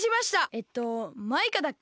えっとマイカだっけ？